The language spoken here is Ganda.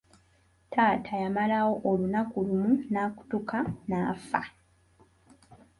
Taata yamalawo olunaku lumu n’akutuka n'afa.